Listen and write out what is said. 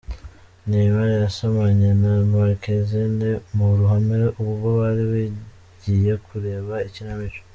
Neymar yasomanye na Marquezine mu ruhame ubwo bari bagiye kureba ikinamico.